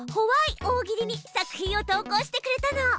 大喜利」に作品を投こうしてくれたの。